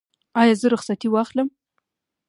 ایا زه رخصتي واخلم؟